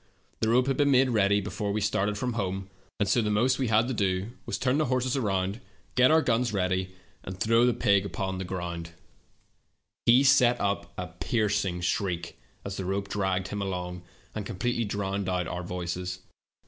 The rope had been made ready before we started from home, and so the most we had to do was to turn the horses around, the ground. He set up a piercing shriek as the rope dragged him along, and completely drowned our voices.